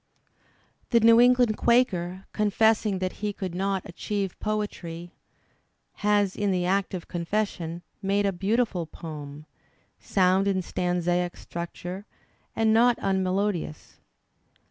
The New England Quaker, confessing that he could not aehieve poetry, has in the act of confession made a beautiful poem, sound in stanzaic structure, and not immelodious.